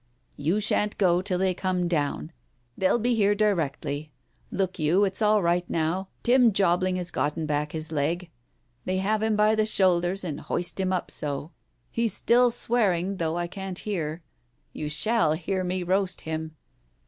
"You shan't go till they come down. They'll be here directly. Look you, it's all right now. Tim Jobling has gotten back his leg. They have him by the shoulders, and hoist him up so. He's still swearing, though I can't hear. You shall hear me roast him."